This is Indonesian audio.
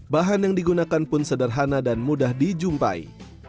bahan yang digunakan pun sederhana dan mudah dijumpai